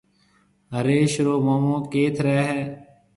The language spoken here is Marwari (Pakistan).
هريش رو مومو ڪيٿ رهيَ هيَ؟